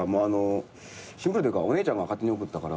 シンプルというかお姉ちゃんが勝手に送ったから。